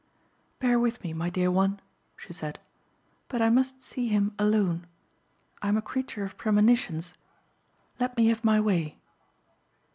"Bear with me, my dear one," she said, "but I must see him alone. I am a creature of premonitions. Let me have my way."